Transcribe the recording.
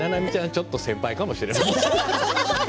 ちょっと先輩かもしれない。